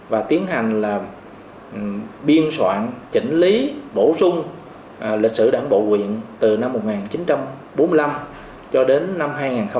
và tiến hành là biên soạn chỉnh lý bổ sung lịch sử đảng bộ quyện từ năm một nghìn chín trăm bốn mươi năm cho đến năm hai nghìn một mươi năm